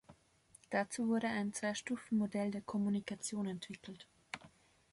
Dazu wurde ein Zwei-Stufen-Modell der Kommunikation entwickelt.